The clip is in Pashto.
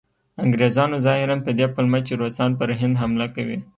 انګریزانو ظاهراً په دې پلمه چې روسان پر هند حمله کوي.